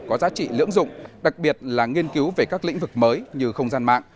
có giá trị lưỡng dụng đặc biệt là nghiên cứu về các lĩnh vực mới như không gian mạng